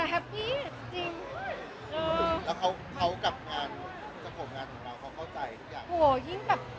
แฮปปี้